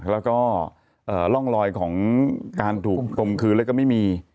แล้วก็ร่องรอยของการถูกกลมคืนแล้วก็ไม่มี